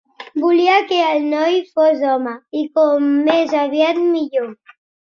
Volia que el noi fos home, i com més aviat millor